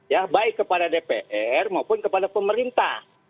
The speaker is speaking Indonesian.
ya baik kepada dpr maupun kepada pemerintah